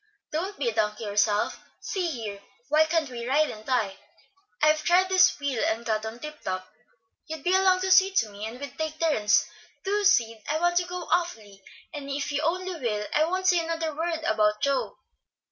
"Don't be a donkey yourself. See here, why can't we ride and tie? I've tried this wheel, and got on tip top. You'd be along to see to me, and we'd take turns. Do, Sid! I want to go awfully, and if you only will I won't say another word about Joe."